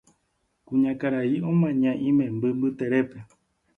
Kuñakarai omaña imemby mbyterére